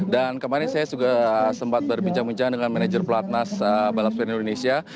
dan kemarin saya juga sempat berbincang bincang dengan manajer pelatnas balap sepeda